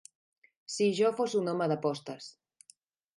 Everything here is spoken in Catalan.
Si jo fos un home d'apostes.